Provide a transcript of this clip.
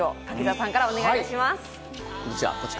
柿澤さんからお願いします。